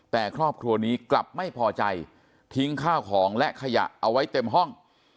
แต่ครอบครัวนี้กลับไม่พอใจทิ้งข้าวของและขยะเอาไว้เต็มห้อง